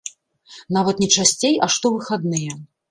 Нават не часцей, а штовыхадныя.